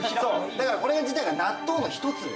だからオレ自体が納豆の一つ。